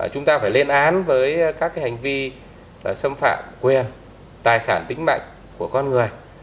chúng ta phải lên án với các hành vi xâm phạm quyền tài sản tính mạnh của con người